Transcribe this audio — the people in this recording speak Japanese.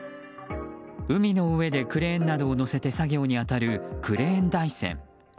海の上でクレーンなどを載せて作業に当たるクレーン台船。